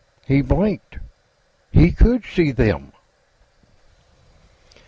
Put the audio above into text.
He blinked. He could see them!